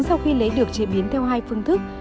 quy lấy được chế biến theo hai phương thức